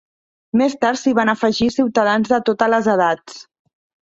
Més tard s'hi van afegir ciutadans de totes les edats.